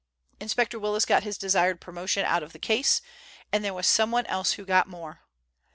Inspector Willis got his desired promotion out of the case, and there was someone else who got more.